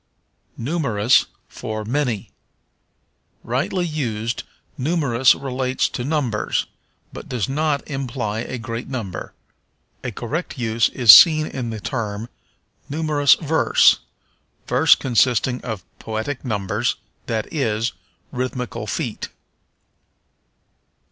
Numerous for Many. Rightly used, numerous relates to numbers, but does not imply a great number. A correct use is seen in the term numerous verse verse consisting of poetic numbers; that is, rhythmical feet.